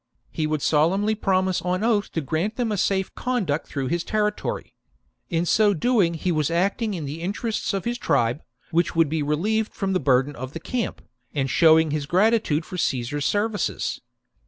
He would solemnly promise on oath to grant them a safe conduct through his territory. In so doing he V THE DISASTER AT ADUATUCA 147 was acting in the interests of his tribe, which 54 b.c. would be relieved from the burden of the camp, and showing his gratitude for Caesar's services.